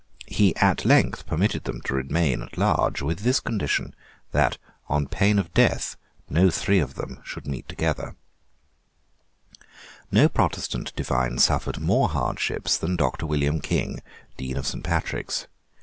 He at length permitted them to remain at large, with this condition, that, on pain of death, no three of them should meet together, No Protestant divine suffered more hardships than Doctor William King, Dean of Saint Patrick's.